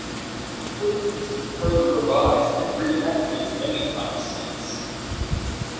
The Code has been further revised and reenacted many times since.